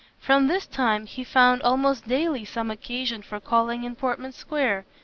From this time, he found almost daily some occasion for calling in Portman square.